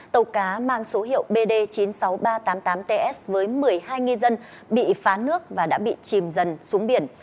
tàu cá mang số hiệu bd chín mươi sáu nghìn ba trăm tám mươi tám ts với một mươi hai ngư dân bị phá nước và đã bị chìm dần xuống biển